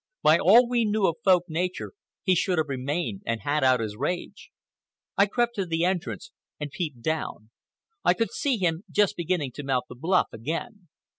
By all we knew of Folk nature he should have remained and had out his rage. I crept to the entrance and peeped down. I could see him just beginning to mount the bluff again.